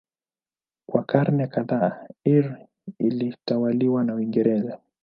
Kwa karne kadhaa Eire ilitawaliwa na Uingereza.